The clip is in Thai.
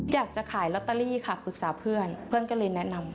อยากจะขายลอตเตอรี่ค่ะปรึกษาเพื่อนเพื่อนก็เลยแนะนำ